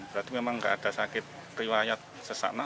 berarti memang nggak ada sakit riwayat sesana